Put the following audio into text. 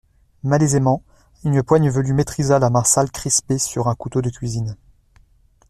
Malaisément une poigne velue maîtrisa la main sale crispée sur un couteau de cuisine.